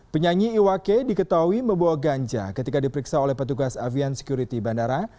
penyanyi iwake diketahui membawa ganja ketika diperiksa oleh petugas avian security bandara